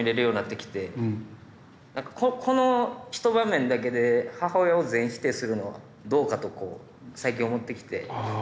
なんかこの一場面だけで母親を全否定するのはどうかとこう最近思ってきて。